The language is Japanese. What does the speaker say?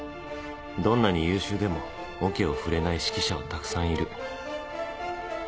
どんなに優秀でもオケを振れない指揮者はたくさんいる